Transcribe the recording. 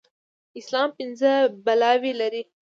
اسلام پينځه بلاوي لري.